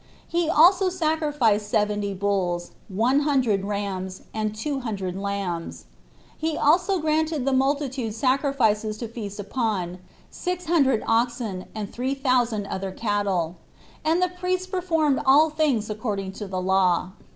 He also sacrificed seventy bulls, one hundred rams, and two hundred lambs. He also granted the multitude sacrifices to feast upon, six hundred oxen, and three thousand other cattle; and the priests performed all things according to the law.